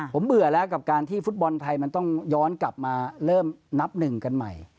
ผมเบื่อแล้วกับการที่ฟุตบอลไทยมันต้องย้อนกลับมาเริ่มนับหนึ่งกันใหม่